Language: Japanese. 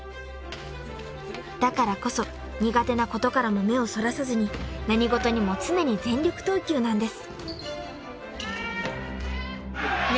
［だからこそ苦手なことからも目をそらさずに何事にも常に全力投球なんです］